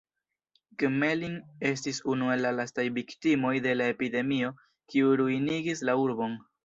Gmelin estis unu el la lastaj viktimoj de la epidemio kiu ruinigis la urbon.